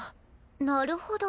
なるほど。